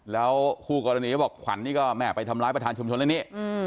แล้วคู่กรณีก็บอกขวัญนี่ก็แม่ไปทำร้ายประธานชุมชนแล้วนี่